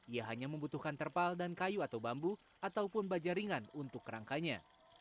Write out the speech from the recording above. ia hanya membutuhkan terpal dan kayu atau bambu ataupun baja ringan untuk kerangkanya